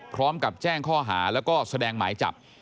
พร้อมกับแจ้งข้อหาแล้วก็แสดงหมายจับ